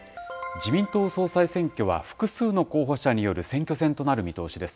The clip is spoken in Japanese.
自民党総裁選挙は複数の候補者による選挙戦となる見通しです。